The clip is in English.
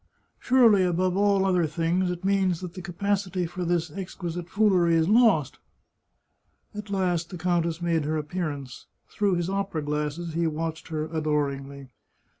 " Surely, above all other things, it means that the capacity for this exquisite foolery is lost !" At last the countess made her appearance. Through his opera glasses he watched her adoringly.